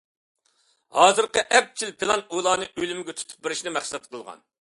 ھازىرقى ئەپچىل پىلان ئۇلارنى ئۆلۈمگە تۇتۇپ بېرىشنى مەقسەت قىلغان.